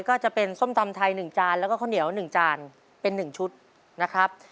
ก็จะเป็นส้มตำไทย๑จานแล้วก็ข้าวเหนียว๑จานเป็น๑ชุดนะครับ